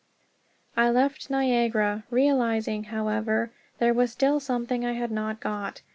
I left Niagara, realizing, however, there was still something I had not got.